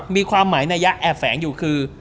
มีความหมายในยะแอบแฝงอยู่คือ